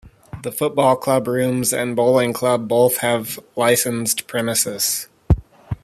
The football club rooms and Bowling Club both have licensed premises.